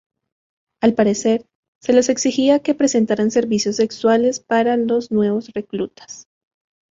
Al parecer, se les exigía que prestaran servicios sexuales para los nuevos reclutas.